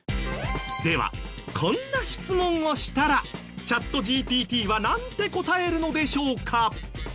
ではこんな質問をしたらチャットＧＰＴはなんて答えるのでしょうか？